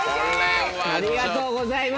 ありがとうございます！